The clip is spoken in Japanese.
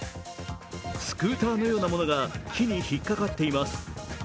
スクーターのようなものが木に引っかかっています。